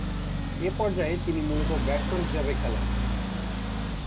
এ পর্যায়ে তিনি মূলতঃ ব্যাটসম্যান হিসেবে খেলেন।